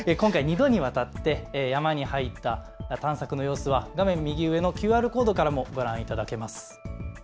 今回、２度にわたって山に入った探索の様子は画面右上のＱＲコードからもご覧いただけます。